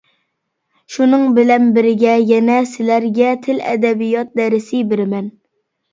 شۇنىڭ بىلەن بىرگە يەنە سىلەرگە تىل-ئەدەبىيات دەرسى بىرىمەن.